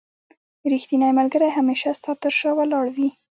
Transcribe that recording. رښتينی ملګري هميشه ستا تر شا ولاړ وي.